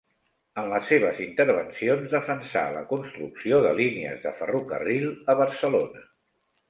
En les seves intervencions defensà la construcció de línies de ferrocarril a Barcelona.